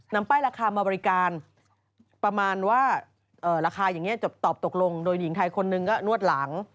ป้ายราคามาบริการประมาณว่าราคาอย่างนี้จบตกลงโดยหญิงไทยคนหนึ่งก็นวดหลัง